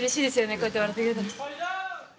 こうやって笑ってくれると。